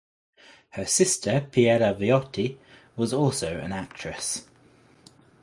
Her sister Piera Viotti was also an actress.